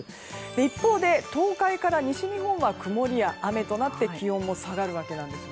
一方で、東海から西日本は曇りや雨となって気温も下がるわけなんです。